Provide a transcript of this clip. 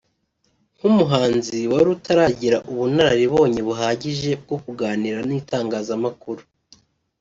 nk’umuhanzi wari utaragira ubunararibonye buhagije bwo kuganira n’itangazamakuru